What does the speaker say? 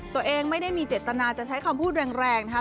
ตัวเองไม่ได้มีเจตนาจะใช้คำพูดแรงนะคะ